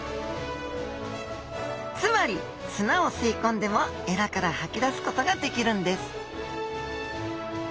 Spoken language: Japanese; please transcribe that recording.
つまり砂を吸い込んでもエラから吐き出すことができるんです